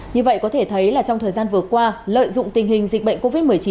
như vậy có thể thấy là trong thời gian vừa qua lợi dụng tình hình dịch bệnh covid một mươi chín